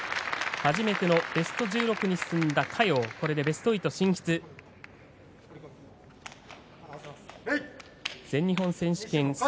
初めてのベスト１６に進みましたが、これでベスト８進出です。